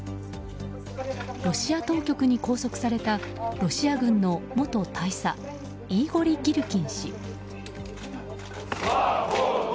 ロシア当局に拘束されたロシア軍の元大佐イーゴリ・ギルキン氏。